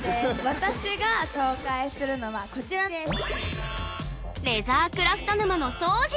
私が紹介するのはこちらです。